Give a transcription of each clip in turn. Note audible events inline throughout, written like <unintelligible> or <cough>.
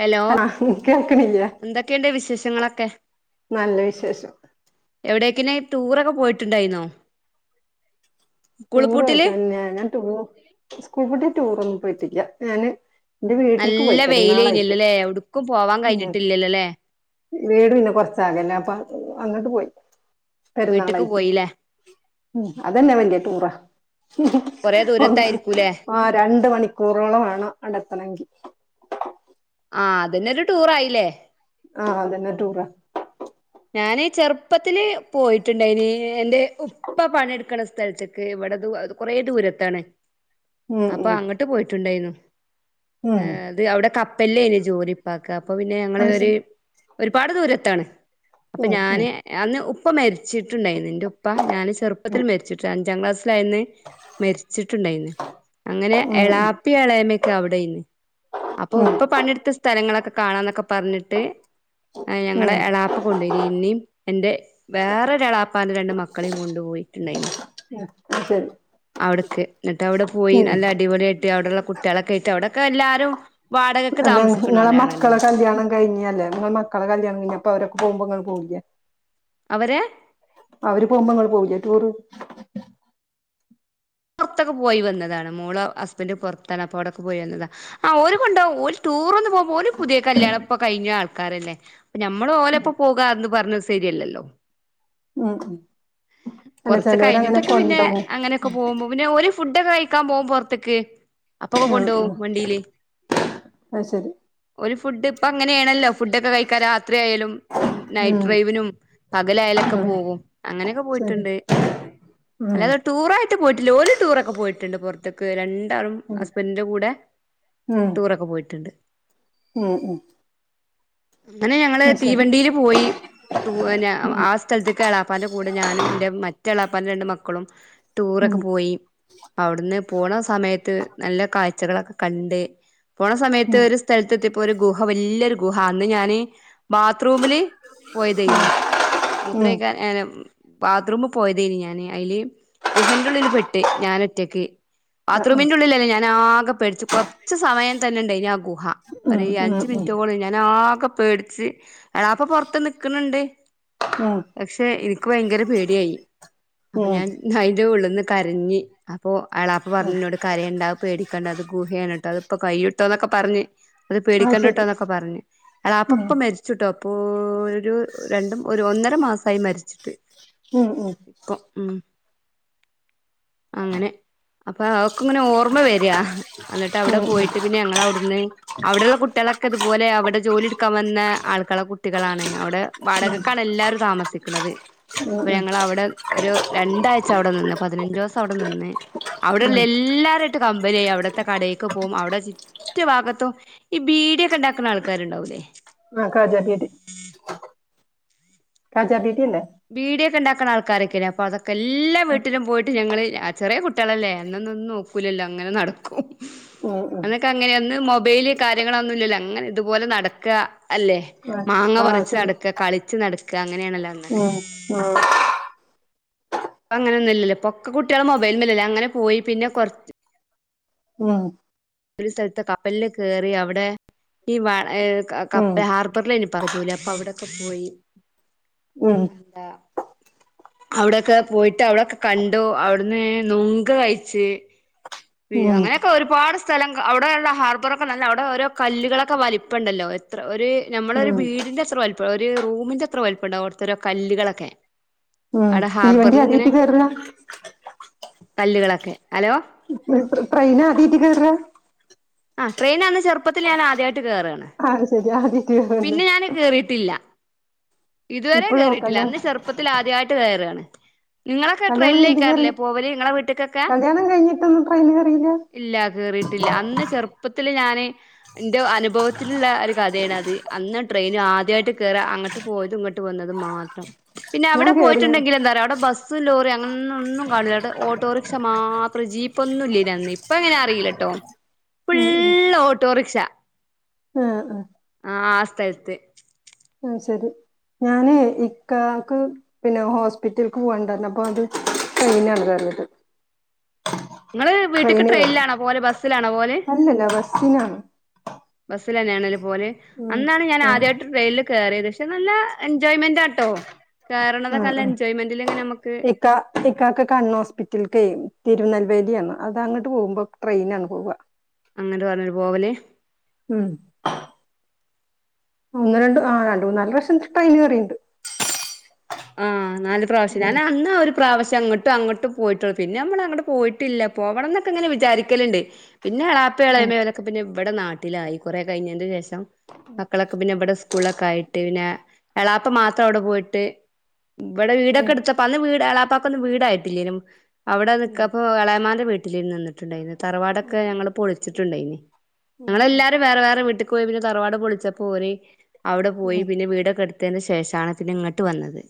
Hello എന്തൊക്കെണ്ട് വിശേഷങ്ങളൊക്കെ നല്ല വിശേഷം എവിടേക്കിനെ ടൂറൊക്കെ പോയിട്ടുണ്ടായിന്നോ സ്കൂൾ ടൂർ പൂട്ടില് പോയൊച്ച ഞാ ഞാൻ ടൂ സ്കൂ കുട്ടി ടൂർ ഒന്നും പോയിട്ടില്ല ഞാന് എന്റെ വീട്ടിലേക്ക് പോയി നല്ല വെയിലേയ്നി പെരുന്നാളായിട്ട് അല്ലോല്ലേ എവിടുക്കും പോവാൻ ഉം. കഴിഞ്ഞിട്ടില്ലല്ലോ ല്ലേ വീട് പിന്നെ കൊറച്ചകല അപ്പ അങ്ങട്ട് പോയി വീട്ടക്ക് പെരുന്നാളായിറ്റ് പോയില്ലേ ഉം അതെന്നെ വല്യ ടൂറ കൊറേ ഒന്ന് ദൂരത്തായിരിക്കൂല്ലേ ആഹ് രണ്ട് മണിക്കൂറോളം വേണം അടെത്തണങ്കി ആഹ് അതന്നരു ടൂറായില്ലേ ആഹ് അതന്നെ റ്റൂറ. ഞാന് ചെറുപ്പത്തില് പോയിട്ട്ണ്ടായിനി എന്റെ ഉപ്പ പണിട്ക്കണ സ്ഥലത്ത് ഇവിടെ ദു കൊറ ദൂരത്താണ് ഉം അപ്പൊ ഉം അങ്ങട്ട് പോയിട്ടുണ്ടെയ്ന്നു ഉം ഏഹ് അത് അവിടെ കപ്പലേന് ജോലിപ്പാക്ക് അപ്പൊ പിന്നെ ഞങ്ങള് അത് ഒര് ശരി ഒരുപാട് ദൂരത്താണ്. അപ്പൊ ഉം ഉം ഞാന് അന്ന് ഉപ്പ മരിച്ചിട്ടുണ്ടായിരുന്നു ഇന്റുപ്പ ഞാന് ചെറുപ്പത്തിൽ ഉം മരിച്ചിട്ട അഞ്ചാം ക്ലാസ് ലെയിന്ന് മരിച്ച്ട്ട്ടായിന്ന് അങ്ങനെ ഉം എളാപ്പി എളേമ്മേക്കെ അവിടെയ്ന്ന് അപ്പൊ ഉം ഉപ്പ പണിട്ത്തെ സ്ഥലങ്ങളൊക്കെ കാണാന്നൊക്കെ പറഞ്ഞിട്ട് ആഹ് ഞങ്ങളെ ഉം എളാ പ്പ കൊണ്ടെയ്നി ഇന്നിം എന്റെ വേറെരു എളാപ്പാന്റെ രണ്ട് മക്കളെയും കൊണ്ടു പോയിട്ട്ണ്ടെയിനി ഉം എന്നാ ശരി അവിടക്ക് ന്നിട്ട് അവിടെ പോയി ഉം നല്ല അടിപൊളിയായിട്ട് അവിടെള്ളെ കുട്യാളൊക്കെയിറ്റ് അവിടൊക്കെ എല്ലാരും വാടകക്ക് അല്ല ഇങ്ങളെ താമസിക്കണോലാണല്ലോ മക്കളെ കല്യാണം കഴിഞ്ഞ്യല്ലേ ഇങ്ങളെ മക്കളെ കല്യാണം കഴിഞ്ഞപ്പോ അവരൊക്കെ പോകുമ്പോ ഇങ്ങൾ പോവില്ല്യെ അവരെ അവര് പോവുമ്പോ ഇങ്ങള് പോവുല്ല്യേ ടൂറ് പൊറ്ത്തൊക്കെ പോയി വന്നതാണ് മോള ഹസ്ബഡ് പൊറ്ത്താണ് അപ്പോ അവിടൊക്കെ പോയി വന്നത ആഹ് ഒര് കൊണ്ടോവും ഒര് ടൂറൊന്നും പോവുമ്പോ ഓല് പുതിയ കല്യാണംപ്പൊ കഴിഞ്ഞ ആൾക്കാരല്ലേ അപ്പ നമ്മളു ഓലെപ്പോ പോകാന്ന് പറഞ്ഞത് സെരിയല്ലല്ലോ ഉം ഉം അല്ല കൊറച്ച് ചിലവരങ്ങനെ കഴിഞ്ഞിട്ടൊക്കെ പിന്നെ കൊണ്ടോവും അങ്ങനെയൊക്കെ പോവുമ്പോ പിന്നെ ഒര് ഫുഡ്ക്കെ കഴി ക്കാൻ പോവും പോർത്ത്ക്ക് അപ്പൊക്കെ ഉം കൊണ്ടോവും ഉം വണ്ടിയില് അത് ശരി ഒര് ഫുഡ് ഇപ്പൊ അങ്ങനെണല്ലോ ഫുഡൊക്കെ കഴിക്കാൻ രാത്രിയായലും നൈറ്റ് ഉം ഡ്രൈവിനും പകലായലൊക്കെ ഉം പോവും അങ്ങനെയൊക്കെ പോയി ശരി ട്ട്ണ്ട് ഉം അല്ലാതെ ടൂറായിട്ട് പോയിട്ടില്ല ഓല് ടൂറൊക്കെ പോയിട്ട്ണ്ട് പൊറ ത്ത്ക്ക് രണ്ടാളും ഉം ഹസ്ബൻഡിന്റെ കൂടെ ഉം ടൂറൊക്കെ പോയിട്ട്ണ്ട് ഉം ഉം അങ്ങനെ ഞങ്ങള് അത് ശരി തീവണ്ടിയില് പോയി ടൂ അനെ ഉം ആ സ്ഥല്ത്ത്ക്ക് എളാപ്പാന്റെ കൂടെ ഞാനും ഇന്റെ മറ്റെളാപ്പാന്റെ രണ്ട് മക്കളും ടൂറൊക്കെ ഉം ഉം പോയി അവ്ട്ന്ന് പോണ സമയത്ത് നല്ല കാഴ്ചകളൊക്കെ കണ്ട് പോണ സമയത്ത് ഒരു സ് സ്ഥലത്തെത്തിയപ്പോ ഒരു ഗുഹ വല്യൊരു ഗുഹ അന്ന് ഞാന് ബാത്ത്റൂംല് പോയതെയ്നി ഉം മൂത്രയിക്കാൻ എന ബാത്റൂമ് പോയതേന് ഞാന് അയ്ല് ബുഹന്റെ ഉള്ളില് പെട്ട് ഞാനൊറ്റക്ക്. ആ ആ ബാത്റൂമിന്റെ ഉള്ളിലല്ലേ ഞാൻ ആകെ പേടിച്ച് കൊറ കുറച്ച് സമയം തന്നെ ഉണ്ടയിന് ആ ഗുഹ ഉം ഒരു ഉം അഞ്ചു ഉം മിനിറ്റോളം ഞാൻ ആകെ പേടി ച്ച് എളാപ്പ പുറത്ത് നിക്കണണ്ട് ഉം ഉം പക്ഷെ എനിക്ക് ഭയങ്കര പേടിയായി അപ്പൊ ഉം ഞാൻ അതിന്റെ ഉള്ളിൽന്ന് കരഞ്ഞ് അപ്പൊ എളപ്പ പറഞ്ഞ് എന്നോട് കരയണ്ട പേടിക്കേണ്ട അത് ഗുഹയാണട്ടോ അതി ഇപ്പോ കൈയുട്ടോന്നൊക്കെ പറഞ് അത് പേടിക്കണ്ടാ ട്ടോ എന്നൊക്കെ പറഞ് ഇളപ്പ ഉം ഇപ്പം മരിച്ചിട്ടോ അപ്പൊ ഒരു രണ്ട് ഒരു ഒന്നര മാസായി മരിച്ചിട്ട് ഉം ഉം ഇപ്പം ഉം അങ്ങനെ അപ്പൊ അവക്ക് ഇങ്ങനെ ഓർമ്മ വരിയ്യാ അന്നിട്ട് അവിടെ ഉം ഉം പോയിട്ട് പിന്നെ ഞങ്ങള് അവിടുന്ന് അവിടെള്ള കുട്ടികളൊക്കെ ഇതുപോലെ അവിടെ ജോലി എടുക്കാൻ വന്ന ആൾക്കള കുട്ടികളാണ് അവിടെ വാടകക്കാണ് എല്ലാരും താമസിക്കണത് ഉം അപ്പൊ ഞങ്ങള് അവിടെ ഒരു രണ്ടാഴ്ച അവിടെ നിന്ന് പതിനഞ്ച് ദിവസം അവിടെ നിന്ന് അവിടെള്ള ഉം ഉം എല്ലാരും ആയിട്ട് കമ്പനിയായി അവിടത്തെ കടേക്ക് പോകും അവിടെ റ്റ ഭാഗത്തും ഈ ബീഡിയൊക്കെ ഉണ്ടാക്കുന്ന ആൾക്കാരുണ്ടാവൂല്ലേ ആ കാജാബീഡി കാജാ ബീഡി അല്ലേ ബീഡിയോക്കെ ഉണ്ടാക്കുന്ന ആൾക്കാരൊക്കെ അപ്പൊ അതൊക്കെ എല്ലാ ആ വീട്ടിലും പോയിട്ട് ഞങ്ങള് ചെറിയ കുട്ടികളല്ലേ അന്നൊന്നും ഒന്നും നോ കൂലല്ലോ അങ്ങനെ നടക്കും ഉം ഉം അന്നൊക്കെ അങ്ങനെയന്ന് മൊബൈല് കാര്യങ്ങളൊന്നും ഇല്ലല്ലോ അങ്ങനെ ഇതുപോലെ നടക്കുക അല്ലേ. ഉം മാങ്ങ ആഹ് പറിച്ച് ശരി നടക്കുക കളിച്ച് നടക്കുക അങ്ങനെയാണല്ലോ. അന്നൊക്കെ ഉം ആ ഇപ്പ അങ്ങനെ ഒന്നുമില്ലല്ലോ ഇപ്പ ഒക്ക കുട്ടികള് മൊബൈലിമേലല്ലേ അങ്ങനെ പോയി പിന്നെ കൊറച്ച് ഉവ്വ ഒരു സ്ഥലത്ത് കപ്പലിൽ കേറി അവിടെ ഈ വ ഉം കപ്പല് ഹാർ ഖത്തറിലേനി ഉപ്പാക്ക് ജോലി അപ്പൊ അവിടെക്കെ പോയി ഉം ഡാ അവിടെയൊക്കെ പോയിട്ട് അവിടെയൊക്കെ കണ്ടു അവിടുന്ന് നുങ്ക് കഴിച്ച് ഉം അങ്ങനെയൊക്കെ ഒരു ഒരു പാട് സ്ഥലം അവിടെയുള്ള ഹാർബറൊക്കെ നല്ല അവിടെ ഓരോ കല്ലുകളൊക്കെ വലിപ്പണ്ടല്ലോ എത്ര ഒരു നമ്മള ഒരു ഉം വീടിന്റെ അത്ര വലുപ്പം ഒരു റൂമിന്റെ അത്ര വലുപ്പം ഉണ്ടാവും അവിടുത്ത ഒരോ കല്ലുകളൊക്കെ ഉം അവിടെ തീവണ്ടി ഹാർബറിൽ ഇങ്ങനെ ആദ്യട്ട് കേറാ കല്ലുകളൊക്കെ ഹലോ ട്രെയിൻ ആദ്യാട്ട് കേറാ ആഹ് ട്രെയിൻ അന്ന് ചെറുപ്പത്തിൽ ഞാൻ ആദ്യായിട്ട് ട്ട് കേറാണ് അത് ശരി ആദ്യായിട്ട് കേറല്ലേ പിന്നെ ഞാന് കേറീട്ടില്ല ഇതുവരെ ഇപ്പഴോ കേറിയിട്ടില്ല കല്യാണം അന്ന് ചെറുപ്പത്തിൽ ആദ്യായിട്ട് കയറാണ് ഇങ്ങളൊക്കെ കല്യാണം ട്രെയിൽ കഴിഞ്ഞിട്ട് കേറി ആയിക്കാരൂല്ലേ പോവല് ഇങ്ങളെ വീട്ട്ക്കൊക്കെ കല്യാണം കഴിഞ്ഞിട്ടൊന്നും ട്രെയിനില് കേറിയില്ല ഇല്ല കേറിയിട്ടില്ല അന്ന് ചെറുപ്പത്തില് ഞാന് എന്റെ അനുഭവത്തിലുള്ള ഒരു കഥയാണത് അന്ന് ട്രെയിന് ആദ്യയിട്ട് കേറാ അങ്ങട്ട് പോയതും ഇങ്ങട്ട് വന്നതും മാത്രം പിന്നെ ഞാൻ അവിടെ കേറിണ് പോയിട്ട്ണ്ടെങ്കില് എന്താറിയോ അവിടെ ബസ് ബസ്സും ലോറിയും അങ്ങനെയൊന്നും ഒന്നും കാണൂല്ലാട്ടാ ഓട്ടോറിക്ഷ മാത്രം ജീപ്പ് ഇപ്പം ഒന്നും ഇല്ലേനി അന്ന് ഇപ്പ എങ്ങനാന്ന് അറിയില്ലട്ടോ ഉം ഉം ഫുള്ള് ഓട്ടോറിക്ഷ ആഹ് ആഹ് ആഹ് ആ സ്ഥലത്ത് ഉം ശരി ഞാന് ഇക്കാക്ക് പിന്നെ ഹോസ്പിറ്റല്ക്ക് പോവണ്ട വന്നപ്പോ അത് <unintelligible> ഇങ്ങള് വീട്ട്ക്ക് ട്രെയിന് കേറി ട്രെയിനിലാണോ പോവല് ബസ്സിലാണോ പോവല് അല്ലല്ല ബസ്സിനാണ് ബസ്സിലെന്നെയാണ്ലേ പോവല് ഉം അന്നാണ് ഞാൻ ആഹ് ആദ്യായിട്ട് ട്രെയിനില് കേറിയത് പക്ഷെ നല്ല എൻജോയ്മെന്റാട്ടോ കേറണതൊക്കെ നല്ല എൻജോയ്മെന്റിൽ ഇങ്ങനെ നമ്മക്ക് ഇക്കാ ഇക്കാക്ക് കണ്ണ് ഹോസ്പിറ്റലിക്കെ തിരുനെൽവേലിയാന്ന് അതാ അങ്ങട്ട് പോകുമ്പോ ട്രെയിനിലാണ് പോവാ അങ്ങട് വന്നിട്ട് പോവല് ഉം ഒന്ന് രണ്ട് ആഹ് രണ്ട് മൂന്നാല് പ്രാശം ട്രെയിൻ കേറീണ്ട് ആഹ് നാല് പ്രാശ്യം ഉം ഞാന് അന്ന് ഒരു പ്രാവശ്യം അങ്ങട്ടും അങ്ങോട്ടും പോയിട്ടുള്ളു പിന്നെ നമ്മളങ്ങട്ട് പോയിട്ടില്ല പോവണന്നൊക്കെ ഇങ്ങനെ വിചാരിക്കല്ണ്ട് പിന്നെ എളാപ് പ്പേം ഉം എളേമ്മെക്കെ ഓലക്കെ പിന്നെ ഇവിടെ നാട്ടിലായി കുറെ കഴിഞ്ഞൻ്റെ ശേഷം മക്കളൊക്കെ പിന്നെ ഇവിടെ ഉസ് സ്കൂളൊക്കെ ആയിട്ട് പിന്നെ എളാപ്പ മാത്രം അവിടെ പോയിട്ട് ഇവിടെ വീടൊക്കെ ഉം എടുത്തപ്പ അന്ന് വീട് എളാപ്പാക്കൊന്നും വീടായിട്ടില്ലേനും അവിടെ ഉം നിക്കപ്പോ എളാമ്മേന്റെ വീട്ടിലേനി നിന്നിട്ടുണ്ടായിനെ തറവാടൊക്കെ ഉം ഞങ്ങള് ഉം പൊളിച്ചിട്ടുണ്ടായിനി ഉം ഞങ്ങളെല്ലാരും വേറെ വേറെ വീട്ട്ക്ക് പോയി പിന്നെ തറവാട് പൊളിച്ചപ്പോ ഓര് അവിടെ പോയി ഉം പിന്നെ വീടൊക്കെ എടുത്ത് ത്തേൻ്റെ ശേഷാണ് പിന്നെ ഇങ്ങട്ട് വന്നത്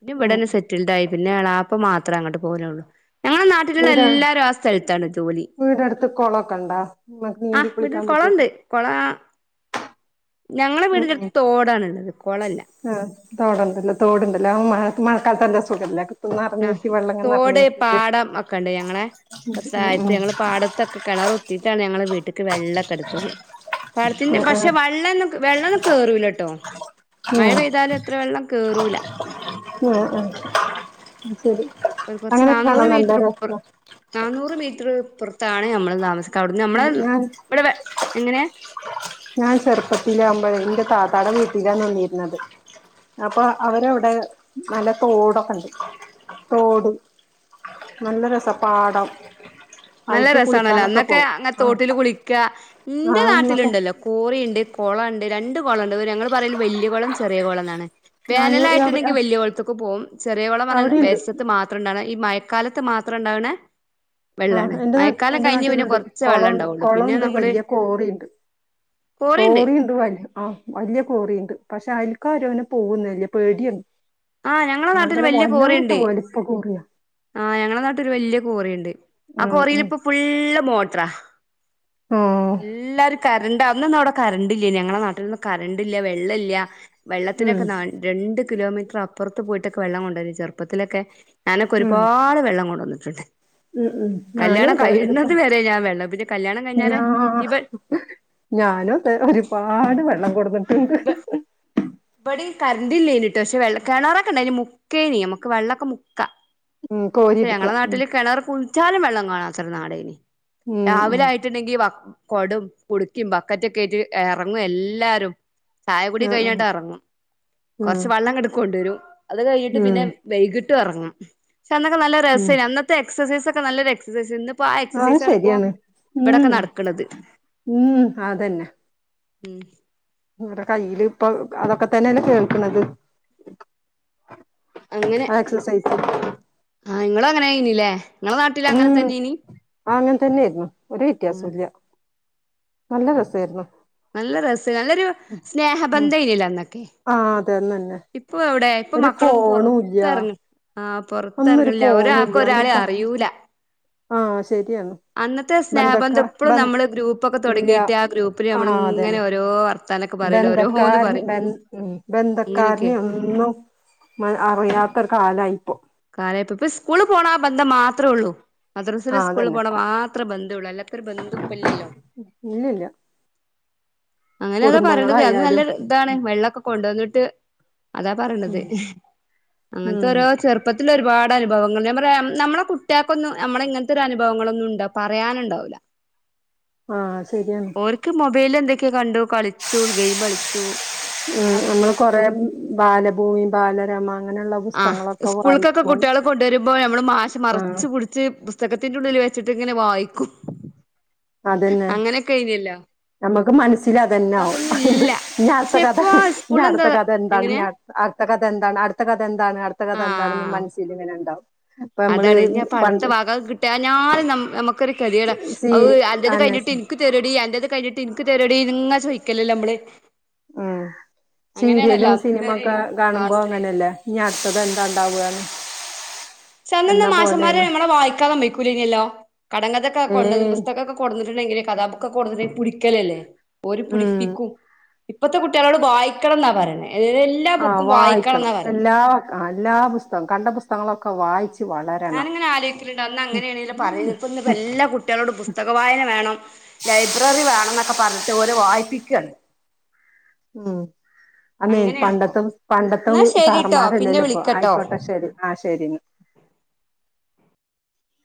പിന്ന ഉം ഇവിടെന്നെ ഉം സെറ്റിൽഡായി പിന്നെ എളാപ്പ മാത്രേ അങ്ങട്ട് പോവലുള്ളൂ ഞങ്ങളെ നാട്ടിലുള്ള വീട എല്ലാരും ആ സ് സ്ഥലത്താണ് ജോലി വീടടുത്ത് കൊളൊക്കെണ്ടാ മ്മക്ക് നീന്തി ആഹ് വീട്ടിൽ കുളിക്കാൻ പറ്റിയപ്പോ കൊളണ്ട് കൊള ഞങ്ങളെ ഉം വീടിന്റെ ഉം അടുത്ത് തോടാണ് ഇള്ളത് കൊളല്ല ആഹ് തോട്ണ്ടല്ലോ തോട് ഇണ്ടല്ലോ അപ്പം മഴ മഴക്കാലത്ത് നല്ല സുഖല്ലേ ആഹ് നിറഞ്ഞിട്ട് വെള്ളങ്ങനെ നിറഞ്ഞ് തോട് നിക്കൂലേ പാടം ഒക്കെ ഇണ്ട് ഞങ്ങളെ കൊറച്ച് ഉം താഴത്ത് ഉം ഞങ്ങള് പാടത്തൊക്കെ കെണറ് കുത്തിയിട്ടാണ് ഞങ്ങളെ വീട്ട്ക്ക് ക്ക് വെള്ളക്കെ എടുത്തത് പാടത്തിന്റെ ആഹ് പക്ഷെ ആഹ് വെള്ളൊന്നും വെള്ളൊന്നും കേറൂലാട്ടോ മഴ ഉം പെയ്താലും എത്ര വെള്ളം കേറൂലാ ആഹ് ആഹ് അത് ശരി ഒരു കുറച്ച് അങ്ങനെയൊക്കെയാണോ നാന്നൂറ് നല്ലൊര മീറ്റർ <unintelligible> നാന്നൂറ് മീറ്റർ ഇപ്പറത്താണ് നമ്മള് താമസിക്കാ അവിടുന്ന് ഉം നമ്മളെ ഞാൻ ഇബടെ എങ്ങനെ? ഞാൻ ചെറുപ്പത്തിലാവുമ്പഴെ ഇന്റെ താത്താടെ വീട്ടിലാ നിന്നിരുന്നത് അപ്പൊ അവരവിടെ നല്ല തോടൊക്കെ ഇണ്ട് തോടും നല്ല രസാ പാടം നല്ല അയിക്ക് രസാണല്ലോ കുളിക്കാനൊക്കെ അന്നൊക്കെ പോവും അങ്ങൻത് ആഹ് തോട്ടിൽ കുളിക്ക എന്റെ ആഹ് എന്നൊക്കെ നാട്ടിലുണ്ടല്ലോ കോറിയുണ്ട് കുളം ഉണ്ട് രണ്ട് കൊളണ്ട് അത് ഞങ്ങ പറയല് വലിയ കുളം ചെറിയ കുളം എന്നാണ് ഞാന് അവിടെ വേനലായിട്ടുണ്ടെങ്കിൽ വലിയ കുളത്തേക്ക് പോവും ചെറിയ കുള ന്ന്‌ പറഞ്ഞ അവിടെയുണ്ട് വര്ഷത് മാത്രം മാത്രംണ്ടാണ് ഈ മഴക്കാലത്ത് മാത്രം ഉണ്ടാവണ വെള്ളാണ് ആഹ് എന്റെ നാട്ട മഴക്കാലം എന്റെ കഴിഞ്ഞ് പിന്നെ നാട്ടിലുണ്ട് കുറച്ചേ കുള വെള്ളം ഉണ്ടാവുള്ളൂ പിന്നെ കുളംണ്ട് നമ്മള് വലിയ കോറിയുണ്ട് കോറിയുണ്ട് വല്ല് ആഹ് വലിയ കോറിയുണ്ട് പക്ഷെ അയൽക്കാരങ്ങനെ പോകുന്നില്ല പേടിയാണ് ആഹ് ഞങ്ങളെ ഭയങ്കര നാട്ടില് വല്യ വല്ലാത്ത കോറിയുണ്ട് വലിപ്പ കോറിയ ആഹ് ഞങ്ങളെ നാട്ടിരു വലിയ കോറിയുണ്ട് ആ ഉം, ഉം. കോറിയിലിപ്പോ ഫുള്ള് മോട്ടറാ ഓ എല്ലാരും കറണ്ടാ അന്നൊന്നും അവിടെ കറണ്ട്ല്ല ഞങ്ങളെ നാട്ടിലൊന്നും കറണ്ട് ഇല്ല വെള്ള ഇല്ല ഉം, വെള്ളത്തിനൊക്കെ ന രണ്ട് കിലോമീറ്റർ അപ്പുറത്ത് പോയിട്ടൊക്കെ വെള്ളം കൊണ്ടുവരും ചെറുപ്പത്തിലൊക്കെ ഞാനൊക്കെ ഉം, ഒരുപാട് വെള്ളം കൊണ്ടുവന്നിട്ടുണ്ട് ഉം. ഞാനും കല്യാണം അതെ കഴിയുന്നത് ഒരുപാട് വരെ ഞാൻ വെള്ളം പിന്നെ കല്യാണം കഴിഞ്ഞല് ഞാ ഇവ ഞാനും അതെ ഒരുപാട് വെള്ളം കൊടുന്നു ഇവ ഇവിടെ കറന്റല്ലെനിട്ട് പക്ഷെ വെള്ള കിണറൊക്കെ ഉണ്ടയിന് മുക്കേനി നമുക്ക് വെള്ളക്കെ മുക്കാം ഉം, ക്ഷെ കോരിയെടുക്ക ഞങ്ങളെ ഉം, നാട്ടില് കിണർ കുഴിച്ചാലും വെള്ളം കാണാത്തൊരു നാടായ്ന് ഉം, രാവിലെ ഉം. ആയി ട്ടുണ്ടെങ്കി ബ കൊടോം കുടുക്കേം ബക്കറ്റൊക്കെ ആയ്ട്ട് ഇറങ്ങും എല്ലാരും ചായ കുടി ആ, ആ. കഴിഞ്ഞിട്ട് ഇറങ്ങും ഉം, കൊറച്ച് വെള്ളം ഇങ്ങട് കൊണ്ടരും അത് കഴിഞ്ഞിട്ട് ഉം, പിന്നെ വൈകിട്ടും എറങ്ങും പക്ഷെ അന്നൊക്കെ നല്ല രസ ഉം. അന്നത്തെ എക്സർസൈസൊക്കെ നല്ലൊരു എക്സർസൈസ് ഇന്ന് ഇപ്പൊ ആ എക്സർസൈസാണ് ഇപ്പോ ഇവിടൊക്കെ ഉം, നടക്കണത് ഉം, മം നിങ്ങടെ കയ്യില് ഇപ്പൊ അതൊക്കെ തന്നെയല്ലെ കേൾക്കണത് അങ്ങനെ ആ എക്സർസൈസ് ആഹ് നിങ്ങൾ അങ്ങനെ ആയ്നല്ലേ നിങ്ങളെ നാട്ടിൽ അങ്ങനെ ഉം തന്നെ ഇനി ആ അങ്ങനെ തന്നെയായിരുന്നു ഒരു വെത്യാസംല്ല നല്ല രസായിരുന്നു നല്ല രസം നല്ലൊരു ഉം. സ്നേഹബന്ധം ഇനല്ലൊ അന്നൊക്കെ ആ അതെന്ന ന്നെ ഇപ്പൊ എവിടെ ഇപ്പൊ മക്കളൊങ് പൊറത്ത് ഇറങ്ങ ആഹ് ഒന്നൊരു പുറത്ത്റങ്ങില്ല ഫോണും ഒരാൾക്ക്‌ ഇല്ല ഒരാളെ എന്നൊക്കെ അറിയൂല ആഹ് ശരിയെന്ന അന്നത്തെ സ്നേഹബന്ധം ഇപ്പളും നമ്മള് ഗ്രൂപ്പൊക്കെ ഇല്ല തുടങ്ങിയിട്ട് ആ ഗ്രൂപ്പില് നമ്മള് ആഹ് ഇങ്ങനെ അതന്നെ ഓരോ വർ തനക്ക് പറൂല്ലോ ഓരോന്ന് പറയും ഉ അങ്ങനെയൊക്കെ ബന്ധക്കാരനെ ഒന്നും അറിയാത്ത ഒരു കാലമായിപ്പോ കാലപ്പ ഇപ്പ സ്കൂള് പോകണ ആ ബന്ധം മാത്രമേ ഉള്ളൂ മദ്രസെല് ആഹ് സ്കൂളിൽ അതന്നെ പോണ മാത്രേ ബന്ധുവള്ളു അല്ലാത്തരു ബന്ധു ഇപ്പല്ലല്ലോ ഇല്ലില്ല അങ്ങനെ അതാ പറയേണ്ടത് അന്ന് കുടുംബങ്ങളായാലും നല്ലൊരു എന്താണ് വെള്ളമൊക്കെ കൊണ്ടുവന്നിട്ട് അതാ പറയണത് ഉം അങ്ങനത്തെ ഉം ഓരോ ചെറ് പ്പത്തില ഒരുപാട് അനുഭവങ്ങൾ ഞാൻ പറയാ നമ്മളെ കുട്ടികൾക്കൊന്നും നമ്മളെ ഇങ്ങനത്തൊരു അനുഭവങ്ങളൊന്നും ഉണ്ടോ പറയാനുണ്ടാവില്ല <inaudible> ആഹ് ശരിയാണ് ഓർക്ക് മൊബൈല് എന്തൊക്കെയാ കണ്ടു കളിച്ചു ഗെയിം കളിച്ചു ഉം അതൊക്കെ നമ്മൾ കൊറേ ഉണ്ടാവുള്ളൂ ബാലഭൂമി ബാലരമ അങ്ങനെയുള്ള ആഹ് പുസ്തകങ്ങളൊക്കെ സ്കൂൾക്കൊക്കെ വായിക്കും കുട്ടികളെ കൊണ്ടു വരുമ്പോൾ നമ്മള് മാശെ ആഹ് മറച്ച് പിടി ച്ച് പുസ്തകത്തിൻ്റെ ഉള്ളിൽ വെച്ചിട്ട് ഇങ്ങനെ വായിക്കും അങ്ങനെയൊക്കെ എയ്നിഅല്ലോ നമ്മുക്ക് മനസ്സൽ അതന്നെ ആവും ഇനി അടുത്ത പക്ഷെ കഥ ഇപ്പൊ ഞ് സ്കൂള് എന്താ അടുത്ത കഥ എന്താണ് എങ്ങനെ ഞ് അട്ത്ത അടുത്ത കഥ എന്താണ് അടുത്ത കഥ എന്താണ് അടുത്ത കഥ എന്താണ് ആഹ് മനസ്സിൽ ഇങ്ങനെ ഉണ്ടാവും നമ്മള് അതാണ് ഇനിഞ് പ്പം പണ്ട് അട്ത്തഭാഗം അത് കിട്ടാഞാലും നമുക്കൊരു കെതേടാ സീ അഊ അൻ്റെത് അന്നെ കഴിഞ്ഞിട്ട് സി- എനിക്ക് തെരൊടി അൻ്റെത് കഴിഞ്ഞിട്ട് ഇന്ക്ക് തെരൊടി ഇന്ന്ങ്ങനെ ചോദിക്കലല്ലേ നമ്മള് ഉം അങ്ങനെയാണല്ലോ സീരിയലും സിനിമ അന്നത്തെ ഒരു ഒക്കെ കാണുമ്പോ ക്ലാസ്സില് അങ്ങനെയല്ലേ ഇനി അടുത്തത് എന്താ ഇണ്ടാവാന്ന് <unintelligible> അന്നൊന്നും മാശന്മാര് നമ്മളെ വായിക്കാൻ സമ്മയ്ക്കൂല്ലേയ്നല്ലോ കടംങ്കതൊക്കെ കൊണ്ടന്ന് ഏയ് പുസ്തകമൊക്കെ കൊടന്നിട്ടുണ്ടെങ്കില് കഥാബുക്കൊക്കെ കൊടന്നിട്ടിണ്ടെൽ പിടിക്കലല്ലെ ഓര് ഉം പിടിപ്പിക്കും ഇപ്പത്തെ കുട്ടികളോട് വായിക്കണം എന്നാ പറയുന്നത് ആ വായിക്കണം എല്ലാ എല്ലാ പുസ്തകം കണ്ട പുസ്തകങ്ങളൊക്കെ വായിച്ച് വളരണം ന്നട്ട് അന്ന് അങ്ങനെയാണല്ലോ പറയ ഇപ്പം ഇന്ന് ഇപ്പോ എല്ലാ കുട്ട്യാളോടും പുസ്തക വായന വേണം ലൈബ്രറി വേണം എന്നൊക്കെ പറഞ്ഞിട്ട് ഓര് വായിപ്പിക്കാണ് ഉം അന്നീ അങ്ങനെയാണ് ഇപ്പൊ പണ്ടത്തെ പണ്ടത്തെ എന്നാ ശരിട്ടോ പിന്നെ സാറമാരല്ലലോ ഇപ്പൊ വിളിക്കട്ടോ ആയിക്കോട്ടെ ശരി ആഹ് ശെരിഞ്